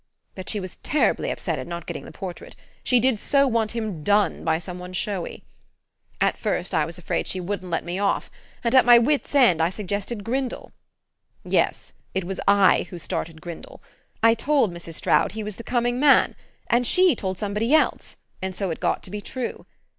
But she was terribly upset at not getting the portrait she did so want him 'done' by some one showy! At first I was afraid she wouldn't let me off and at my wits' end I suggested Grindle. Yes, it was I who started Grindle: I told Mrs. Stroud he was the 'coming' man, and she told somebody else, and so it got to be true....